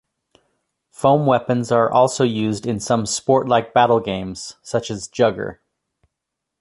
Foam weapons are also used in some sport-like battle games such as Jugger.